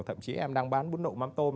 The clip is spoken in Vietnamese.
thậm chí em đang bán bún nộm mắm tôm